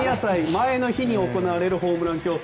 前の日に行われるホームラン競争。